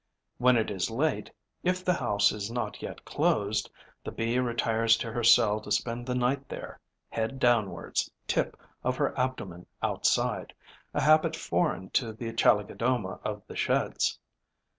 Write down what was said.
When it is late, if the house is not yet closed, the Bee retires to her cell to spend the night there, head downwards, tip of her abdomen outside, a habit foreign to the Chalicodoma of the Sheds.